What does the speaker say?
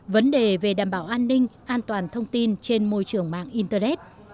vấn đề về đảm bảo an ninh an toàn thông tin trên đất nước